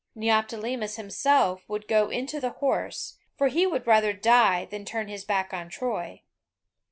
Neoptolemus himself would go into the horse, for he would rather die than turn his back on Troy.